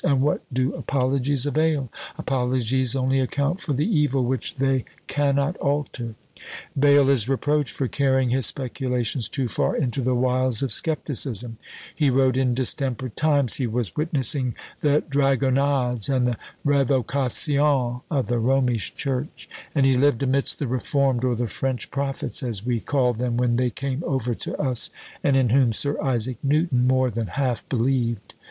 and what do apologies avail? Apologies only account for the evil which they cannot alter! Bayle is reproached for carrying his speculations too far into the wilds of scepticism he wrote in distempered times; he was witnessing the dragonades and the révocations of the Romish church; and he lived amidst the Reformed, or the French prophets, as we called them when they came over to us, and in whom Sir Isaac Newton more than half believed.